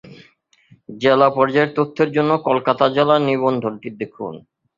জেলা পর্যায়ের তথ্যের জন্য কলকাতা জেলা নিবন্ধটি দেখুন।